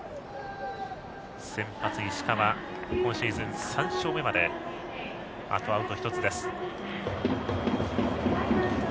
先発、石川は今シーズン３勝目まであとアウト１つです。